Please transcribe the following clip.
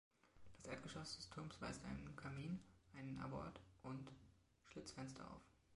Das Erdgeschoss des Turms weist einem Kamin, einen Abort und Schlitzfenster auf.